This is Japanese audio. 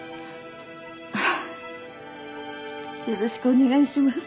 あよろしくお願いします。